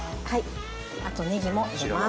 あとネギも入れます。